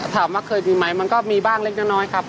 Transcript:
ถามว่าเคยมีไหมมันก็มีบ้างเล็กน้อยครับ